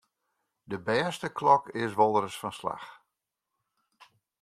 De bêste klok is wolris fan 'e slach.